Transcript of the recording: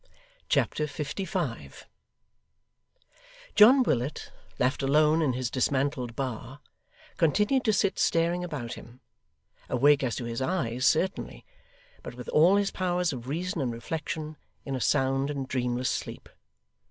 Chapter 55 John Willet, left alone in his dismantled bar, continued to sit staring about him; awake as to his eyes, certainly, but with all his powers of reason and reflection in a sound and dreamless sleep.